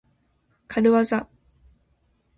かるわざ。